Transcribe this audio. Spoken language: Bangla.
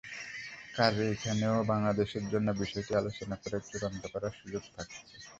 কাজেই এখানেও বাংলাদেশের জন্য বিষয়টি আলোচনা করে চূড়ান্ত করার সুযোগ থাকছে।